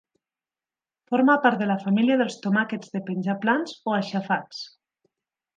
Forma part de la família dels tomàquets de penjar plans o aixafats.